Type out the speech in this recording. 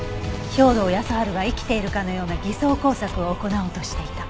兵働耕春が生きているかのような偽装工作を行おうとしていた。